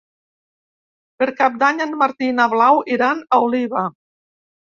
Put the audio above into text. Per Cap d'Any en Martí i na Blau iran a Oliva.